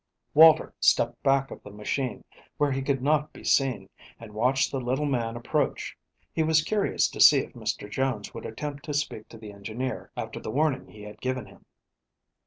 WALTER stepped back of the machine, where he could not be seen, and watched the little man approach. He was curious to see if Mr. Jones would attempt to speak to the engineer after the warning he had given him.